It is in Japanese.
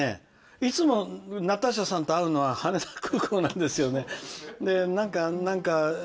いつもナターシャさんと会うのは羽田空港なんですよね。